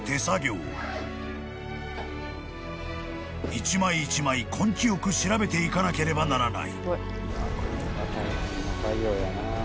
［一枚一枚根気よく調べていかなければならない］